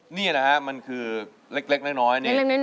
นี่นะนะครับมันก็คือละกลิ๊บน้อย